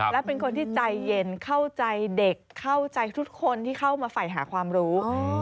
และเป็นคนที่ใจเย็นเข้าใจเด็กเข้าใจทุกคนที่เข้ามาฝ่ายหาความรู้